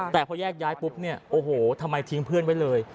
แต่พอแยกย้ายปุ๊บเนี่ยโอ้โหทำไมทิ้งเพื่อนไว้เลย